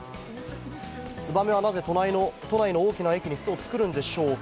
ツバメはなぜ都内の大きな駅に巣を作るのでしょうか？